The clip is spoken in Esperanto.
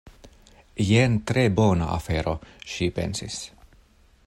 "Jen tre bona afero," ŝi pensis.